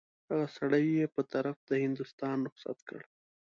هغه سړی یې په طرف د هندوستان رخصت کړ.